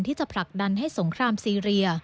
ที่จะผลักดันให้สงครามซีเรีย